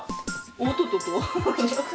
おっとと。